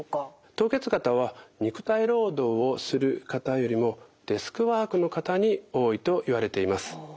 凍結肩は肉体労働をする方よりもデスクワークの方に多いといわれています。